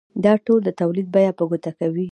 دا ټول د تولید بیه په ګوته کوي